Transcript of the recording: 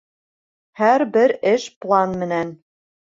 Һәр бер эш план менән